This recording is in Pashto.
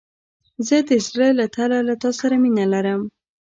زه د زړه له تله له تا سره مينه لرم.